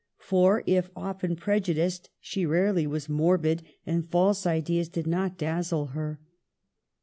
For if often prejudiced, she rarely was morbid, and false ideas did not dazzle her.